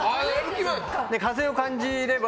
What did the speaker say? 風を感じれば。